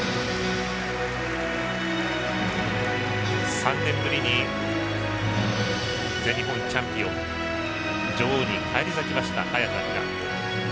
３年ぶりに全日本チャンピオン女王に返り咲きました、早田ひな。